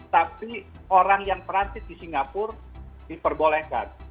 tapi orang yang perancis di singapura diperbolehkan